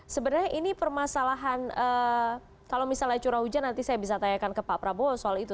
sebenarnya ini permasalahan kalau misalnya curah hujan nanti saya bisa tanyakan ke pak prabowo soal itu